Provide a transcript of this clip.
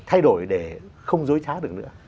thay đổi để không dối trá được nữa